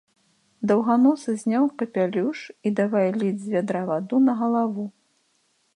Даўганосы зняў капялюш і давай ліць з вядра ваду на галаву.